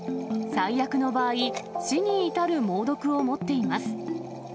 最悪の場合、死に至る猛毒を持っています。